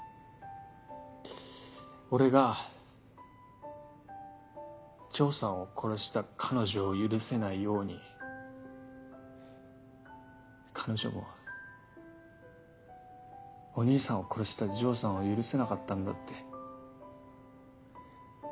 俺が丈さんを殺した彼女を許せないように彼女もお兄さんを殺した丈さんを許せなかったんだって。